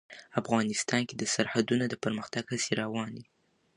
افغانستان کې د سرحدونه د پرمختګ هڅې روانې دي.